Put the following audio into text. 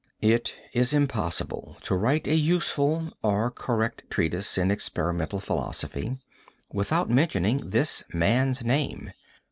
It is impossible to write a useful or correct treatise in experimental philosophy without mentioning this man's name.